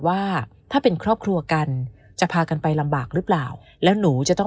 ว่าถ้าเป็นครอบครัวกันจะพากันไปลำบากหรือเปล่าแล้วหนูจะต้อง